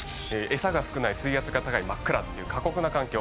餌が少ない水圧が高い真っ暗っていう過酷な環境。